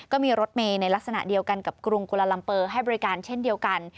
ก็มีรถเมย์ในลักษณะเดียวกันกับกรุงกุลาลัมเปอร์ให้บริการเช่นเดียวกัน